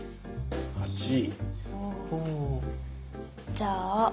じゃあ。